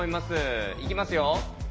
いきますよ！